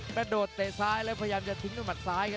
กระโดดเตะซ้ายแล้วพยายามจะทิ้งด้วยหมัดซ้ายครับ